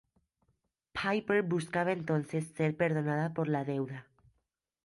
Piper buscaba entonces ser perdonada por la deuda.